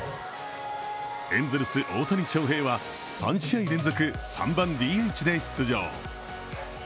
エンゼルス・大谷翔平は３試合連続、３番ＤＨで出場。